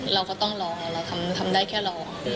เราก็ต้องรอเราทำได้แค่รอ